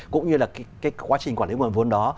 cũng như là cái quá trình quản lý nguồn vốn đó